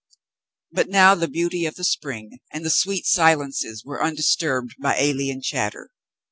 But now the beauty of the spring and the sweet silences were undisturbed by alien chatter.